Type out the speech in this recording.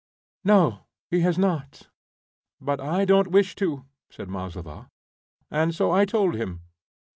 "No, he has not, but I don't wish to," said Maslova, "and so I told him."